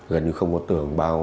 gần như không có tường bao